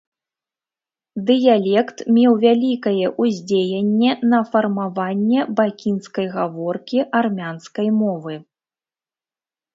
Дыялект меў вялікае ўздзеянне на фармаванне бакінскай гаворкі армянскай мовы.